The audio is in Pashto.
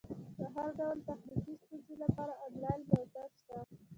د هر ډول تخنیکي ستونزې لپاره انلاین ملاتړ شته.